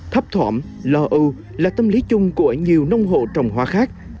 thấp thỏm lo âu là tâm lý chung của nhiều nông hộ trồng hoa khác